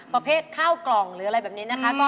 ประเภทข้าวกล่องหรืออะไรแบบนี้นะคะ